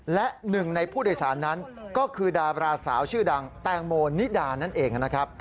และหนึ่งในผู้โดยสารนั้นก็คือดาราสาวชื่อดังแตงโมนิดานั่นเองนะครับ